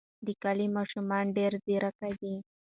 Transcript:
د کلي ماشومان ډېر ځیرک دي.